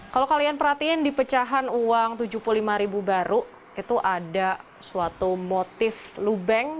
kalau kalian perhatiin di pecahan uang rp tujuh puluh lima ribu baru itu ada suatu motif lubeng